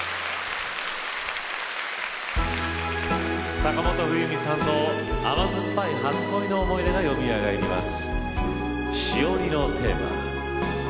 坂本冬美さんの甘酸っぱい初恋の思い出がよみがえります。